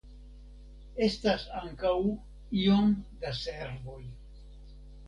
Estas ankaŭ iom da servoj.